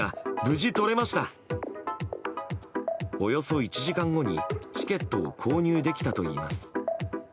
およそ１時間後にチケットを購入できたといいます。